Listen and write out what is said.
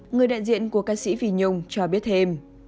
người đại diện của ca sĩ vy nhung cho biết thêm